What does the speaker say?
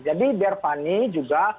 jadi biar fani juga